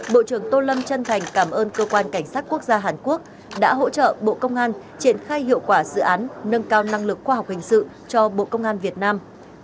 bộ trưởng tô lâm chân thành cảm ơn cơ quan cảnh sát quốc gia hàn quốc đã hỗ trợ bộ công an triển khai hiệu quả dự án nâng cao năng lực khoa học hình sự cho bộ công an việt nam